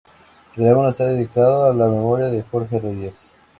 El álbum está dedicado a la memoria de Jorge Reyes.